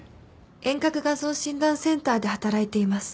遠隔画像診断センターで働いています。